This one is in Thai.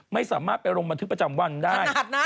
ไม่สามารถไปลงบันทึกประจำวันได้